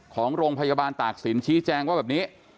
ของโรงพยาบาลตากศิลป์ชี้แจงว่าแบบนี้